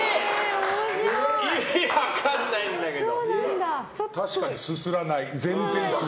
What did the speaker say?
意味分かんないんだけど！